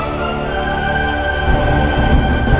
tetap berhubung dengan aku